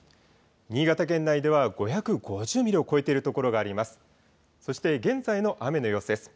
新潟県内では５５０ミリを超えている所があります。